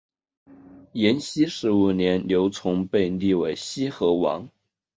延熙十五年刘琮被立为西河王。